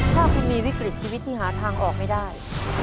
ถ้าคุณมีวิกฤตชีวิตที่หาทางออกไม่ได้